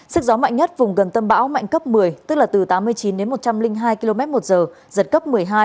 sức gió mạnh nhất vùng gần tâm bão mạnh cấp một mươi tức là từ tám mươi chín đến một trăm linh hai km một giờ giật cấp một mươi hai